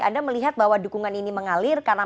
anda melihat bahwa dukungan ini mengalir karena